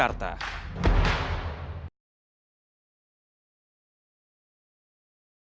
habib rattama jakarta